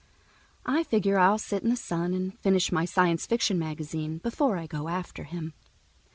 I figure I'll sit in the sun and finish my science fiction magazine before I go after him.